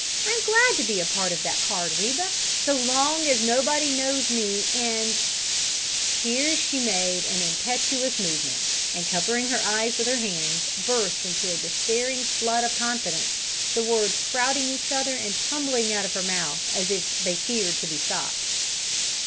I'm glad to be a part of that card, Reba, so long as nobody knows me, and " Here she made an impetuous movement and, covering her eyes with her hands, burst into a despairing flood of confidence, the words crowding each other and tumbling out of her mouth as if they feared to be stopped.